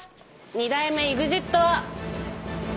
二代目ＥＸＩＴは。